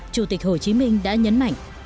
chủ tịch hồ chí minh đã nhấn mạnh